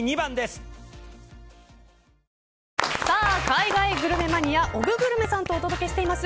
海外グルメマニアおぐグルメさんとお届けしています